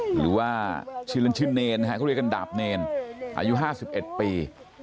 หรือว่าชื่นละชื่นเนรค่ะเขาเรียกกันดาบเนรอายุห้าสิบเอ็ดปี